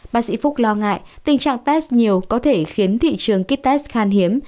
bác sĩ phúc lo ngại tình trạng test nhiều có thể khiến thị trường kit test khan hiếm